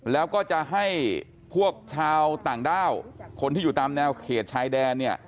แล้วก็จะให้พวกชาวต่างด้าวคนที่อยู่ตามแนวเขตชายแดนเนี่ย